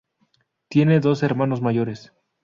Tiene dos hermanos mayores.